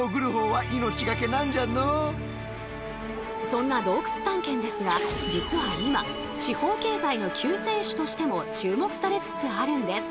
そんな洞窟探検ですが実は今地方経済の救世主としても注目されつつあるんです。